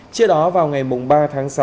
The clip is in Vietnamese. trước đó vào ngày mùng ba tháng sáu